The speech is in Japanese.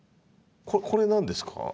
これ何ですか？